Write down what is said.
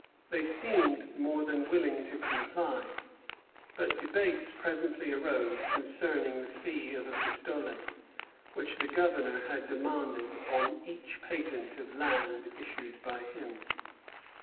They seemed more than willing to comply; but debates presently arose concerning the fee of a pistole, which the Governor had demanded on each patent of land issued by him.